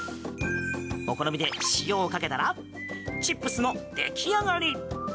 お好みで塩をかけたらチップスの出来上がり。